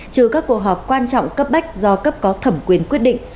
trừ các cuộc họp quan trọng cấp bách do cấp có thẩm quyền quyết định